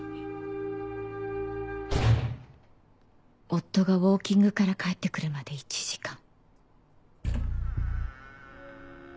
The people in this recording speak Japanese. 夫がウオーキングから帰って来るまで１時間